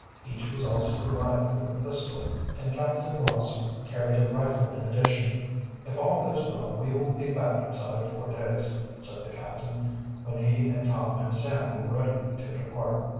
Each was also provided with a pistol, and Captain Blossom carried a rifle in addition. "If all goes well we will be back inside of four days," said the captain, when he and Tom and Sam were ready to depart.